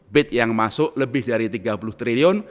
bid yang masuk lebih dari tiga puluh triliun